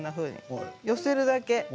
寄せるだけ。